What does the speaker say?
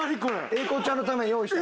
英孝ちゃんのために用意した。